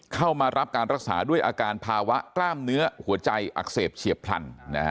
เข้ามารับการรักษาด้วยอาการภาวะกล้ามเนื้อหัวใจอักเสบเฉียบพลัน